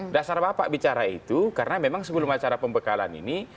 dasar bapak bicara itu karena memang sebelum acara pembekalan ini